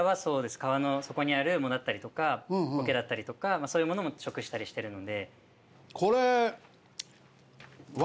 川の底にある藻だったりとかコケだったりとかそういうものも食したりしてるので。